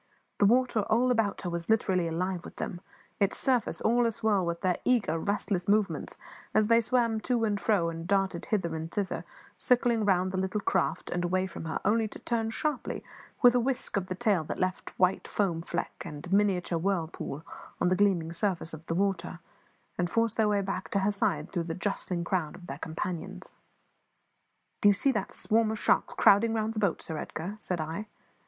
The water all about her was literally alive with them; its surface all a swirl with their eager, restless movements as they swam to and fro and darted hither and thither, circling round the little craft and away from her, only to turn sharply, with a whisk of the tail that left a white foam fleck and a miniature whirlpool on the gleaming surface of the water, and force their way back to her side through the jostling crowd of their companions. "Do you see that swarm of sharks crowding round the boat, Sir Edgar?" said I.